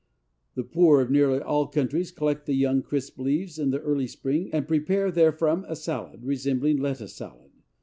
The poor of nearly all countries collect the young, crisp leaves in the early spring and prepare therefrom a salad, resembling lettuce salad.